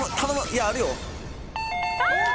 いやあるよ。